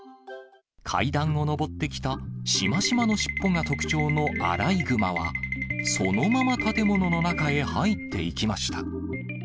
階段を上ってきた、しましまの尻尾が特徴のアライグマは、そのまま建物の中へ入っていきました。